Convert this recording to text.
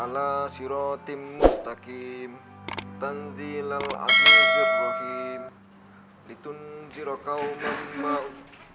gak usah bahasa bahasi siapa kamu